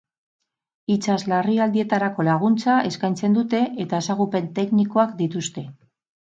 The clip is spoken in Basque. Itsas larrialdietarako laguntza eskaintzen dute, eta ezagupen teknikoak dituzte.